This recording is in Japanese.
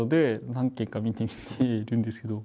何件か見てみているんですけど。